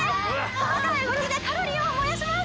こまかいうごきでカロリーをもやします！